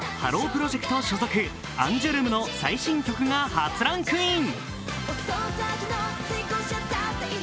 プロジェクト所属、アンジュルムの最新曲が初ランクイン。